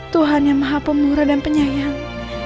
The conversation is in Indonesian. tuhan yang maha pemurah dan penyayang